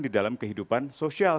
di dalam kehidupan sosial